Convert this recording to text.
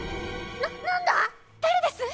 ななんだ⁉誰です